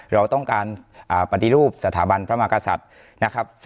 เราต้องการปฏิรูปสถาบันพระมากษัตริย์นะครับ